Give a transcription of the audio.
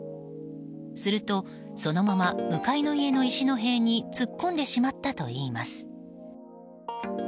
するとそのまま向かいの家の石の塀に突っ込んでしまったといいます。